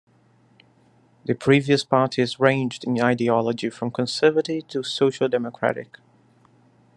The previous parties ranged in ideology from conservative to social-democratic.